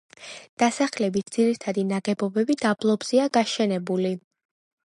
დასახლების ძირითადი ნაგებობები დაბლობზეა გაშენებული.